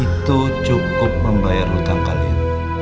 itu cukup membayar hutang kalian